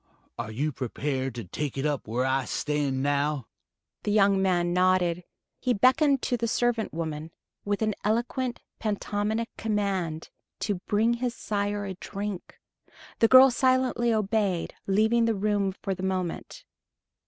Are you prepared to take it up where I stand now?" The young man nodded. He beckoned to the servant woman, with an eloquent pantomimic command, to bring his sire a drink. The girl silently obeyed, leaving the room for the moment.